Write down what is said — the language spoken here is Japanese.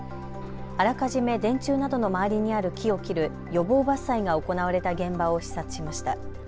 あらかじめ電柱などの周りにある木を切る、予防伐採が行われた現場を視察しました。